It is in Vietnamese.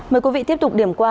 mời quý vị tiếp tục điểm qua